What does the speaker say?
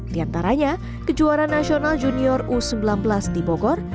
di antaranya kejuaraan nasional junior u sembilan belas di bogor